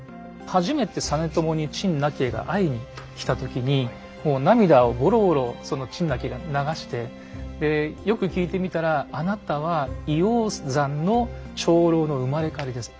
初めて実朝に陳和が会いに来た時に涙をぼろぼろその陳和が流してでよく聞いてみたらあなたは医王山の長老の生まれ変わりです。